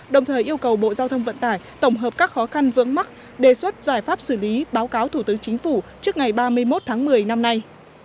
đồng thời yêu cầu bộ giao thông vận tải tổng hợp các khó khăn vướng mắt đề xuất giải pháp xử lý báo cáo thủ tướng chính phủ trước ngày ba mươi một tháng một mươi năm nay